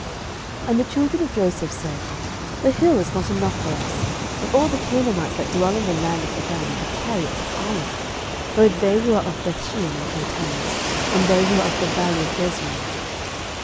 06:017:016 And the children of Joseph said, The hill is not enough for us: and all the Canaanites that dwell in the land of the valley have chariots of iron, both they who are of Bethshean and her towns, and they who are of the valley of Jezreel.